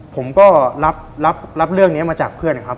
ผมก็รับเรื่องนี้มาจากเพื่อนนะครับ